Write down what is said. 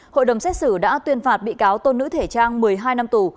hội đồng xét xử đã tuyên phạt bị cáo tôn nữ thể trang một mươi hai năm tù